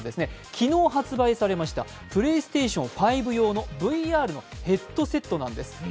昨日発売されました、プレイステーション５用のＶＲのヘッドセットなんです。